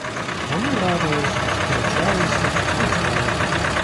Вони радилися, сперечалися, кричали.